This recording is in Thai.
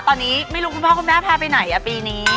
ตอนนี้ไม่รู้คุณพ่อคุณแม่พาไปไหนปีนี้